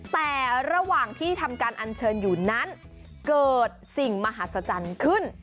แต่ระหว่างที่ทำการอัญเชิญอยู่นั้นเกิดสิ่งมหัศจรรย์ขึ้น